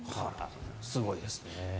すごいですね。